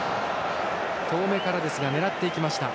遠めからですが狙っていきました。